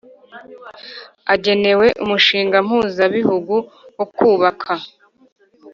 agenewe umushinga mpuzabihugu wo kubaka